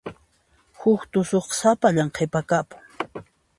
Huk tusuqqa sapallan qhipakapun.